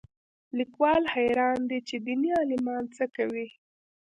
لیکوال حیران دی چې دیني عالمان څه کوي